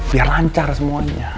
biar lancar semuanya